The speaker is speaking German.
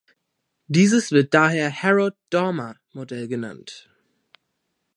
Dieses wird daher Harrod-Domar-Modell genannt.